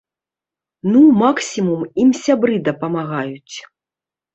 Ну, максімум, ім сябры дапамагаюць.